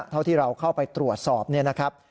เท่าที่เราเข้าไปตรวจสอบเนี่ยนะครับ